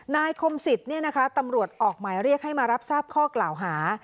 คมสิทธิ์ตำรวจออกหมายเรียกให้มารับทราบข้อกล่าวหา